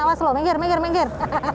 awas lho menggir menggir menggir